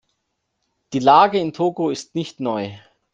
Die Lage in Togo ist nicht neu.